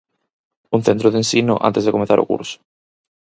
Un centro de ensino antes de comezar o curso.